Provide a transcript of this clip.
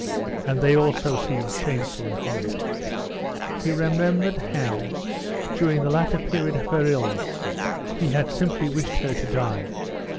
And they also seemed shameful and horrid. He remembered how, during the latter period of her illness, he had simply wished her to die.